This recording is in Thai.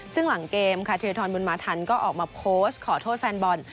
ซึ่งหลังเกมค่ะธิรทรบุญมาทันก็ออกมาโพสต์ขอโทษแฟนบอล